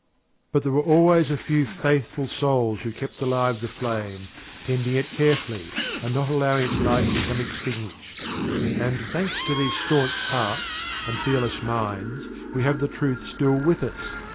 But there were always a few faithful souls who kept alive the Flame, tending it carefully, and not allowing its light to become extinguished. And thanks to these staunch hearts, and fearless minds, we have the truth still with us.